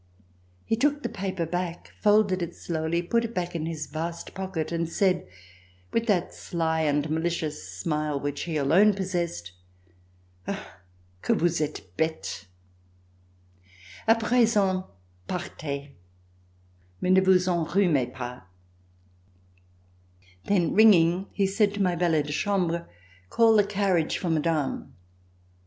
He took the paper back, folded it slowly, put it back in his vast pocket and said, with that sly and malicious smile which he alone possessed: "Ah! que vous etes bete! A present partez, mais ne vous enrhumez pas." Then ringing, he said to my valet de chambre: "Call the carriage for Madame."